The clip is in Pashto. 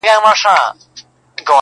څوک و یوه او څوک و بل ته ورځي،